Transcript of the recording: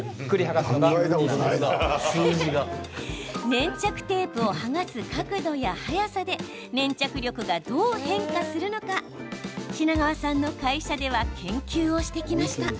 粘着テープを剥がす角度や速さで粘着力がどう変化するのか品川さんの会社では研究をしてきました。